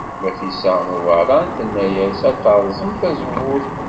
Nafisa n Ubeṛṛan tenna-as ad terẓem tazewwut.